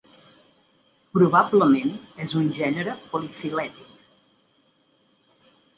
Probablement és un gènere polifilètic.